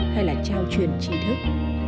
hay là trao truyền trí thức